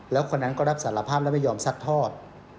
แล้วคนนั้นก็รับสารภาพและไม่ยอมซัดทอด